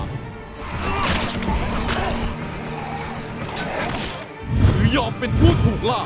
คือยอมเป็นผู้ถูกล่า